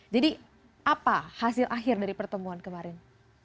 jadi apa hasil akhir dari pertemuan kemarin